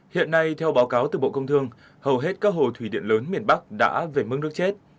hiện nay theo báo cáo từ bộ công thương hầu hết các hồ thủy điện lớn miền bắc đã về mức nước chết